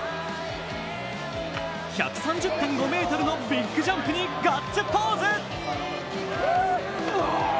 １３０．５ｍのビッグジャンプにガッツポーズ。